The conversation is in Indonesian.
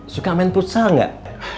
suka main futsal gak